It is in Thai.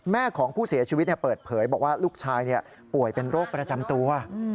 แม่ของผู้เสียชีวิตเปิดเผยบอกว่าลูกชายป่วยเป็นโรคประจำตัว